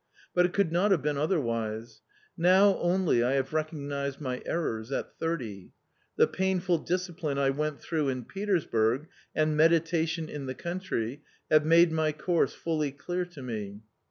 But it could not have been otherwise. Now only I have recognised my errors — at thirtyj_ The painful discipline I went through in Petersburg and medita tion in the country have made my course fully clear to me.